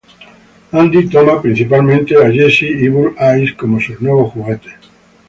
Andy toma, principalmente, a Jessie y a Bullseye, como sus nuevos juguetes.